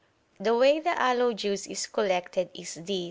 The way the aloe juice is collected is this.